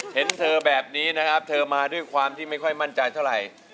เห็นเธอแบบนี้นะครับเธอมาด้วยความที่ไม่ค่อยมั่นใจเท่าไหร่